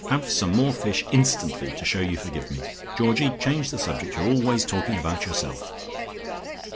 Have some more fish instantly to shew you forgive me. Georgie change the subject you're always talking about yourself."